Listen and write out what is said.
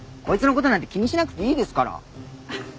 こいつのことなんて気にしなくていいですから。